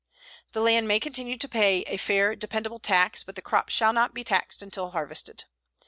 The land may continue to pay a fair dependable tax, but the crop shall not be taxed until harvested.